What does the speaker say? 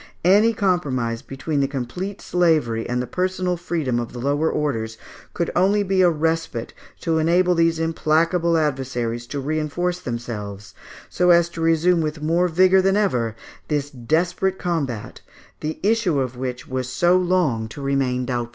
Any compromise between the complete slavery and the personal freedom of the lower orders, could only be a respite to enable these implacable adversaries to reinforce themselves, so as to resume with more vigour than ever this desperate combat, the issue of which was so long to remain doubtful.